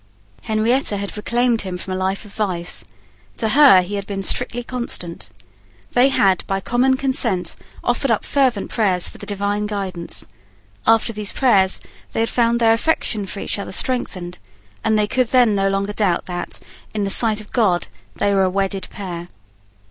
Henrietta had reclaimed him from a life of vice. To her he had been strictly constant. They had, by common consent, offered up fervent prayers for the divine guidance. After those prayers they had found their affection for each other strengthened; and they could then no longer doubt that, in the sight of God, they were a wedded pair.